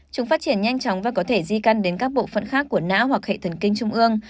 chúng phát triển nhanh chóng và có thể di căn đến các bộ phận khác của não hoặc hệ thần kinh trung ương